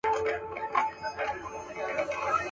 قلندر پر کرامت باندي پښېمان سو.